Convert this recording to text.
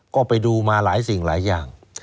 ก็ไปดูมาหลายสิ่งหลายอย่าง